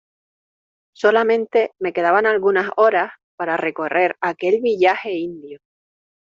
solamente me quedaban algunas horas para recorrer aquel villaje indio.